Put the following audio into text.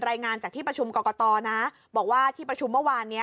รายงานจากที่ประชุมกรกตนะบอกว่าที่ประชุมเมื่อวานนี้